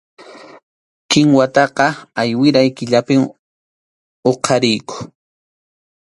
Kinwataqa ayriway killapim huqariyku.